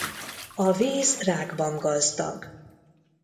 A víz rákban gazdag.